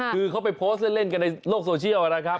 คือเขาไปโพสต์เล่นกันในโลกโซเชียลนะครับ